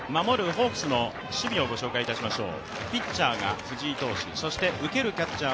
ホークスの守備をご紹介しましょう。